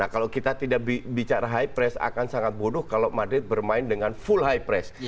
kalau kita tidak bicara high press akan sangat bodoh kalau madrid bermain dengan full high press